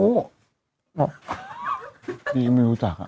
ผู้หญิงไม่รู้จักอะ